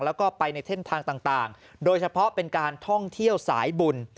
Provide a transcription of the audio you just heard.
แล้วก็ไปในเส้นทางต่างโดยเฉพาะเป็นการท่องเที่ยวสายบุญ